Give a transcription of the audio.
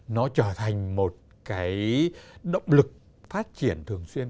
nó trở thành một cái động lực phát triển thường xuyên